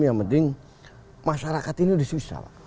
yang penting masyarakat ini sudah susah